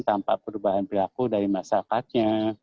tanpa perubahan perilaku dari masyarakatnya